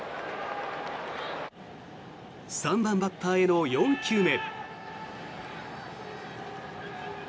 ３番バッターへの４球目。